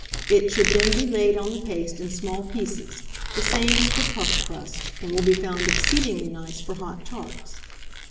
It should then be laid on the paste in small pieces, the same as for puff crust, and will be found exceedingly nice for hot tarts.